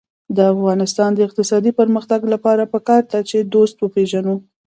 د افغانستان د اقتصادي پرمختګ لپاره پکار ده چې دوست وپېژنو.